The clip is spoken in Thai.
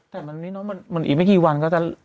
แต่วันนี้น้องมันอีกไม่กี่วันก็จะ